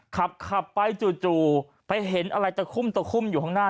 ขับไปจู่ไปเห็นอะไรตะคุ่มตะคุ่มอยู่ข้างหน้า